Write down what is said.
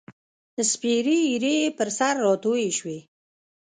سپیرې ایرې یې پر سر راتوی شوې